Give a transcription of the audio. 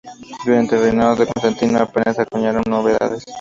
Durante el reinado de Constantino I apenas se acuñaron monedas.